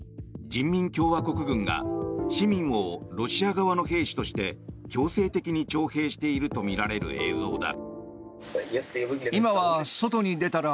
人民共和国軍が市民をロシア側の兵士として強制的に徴兵しているとみられる映像だ。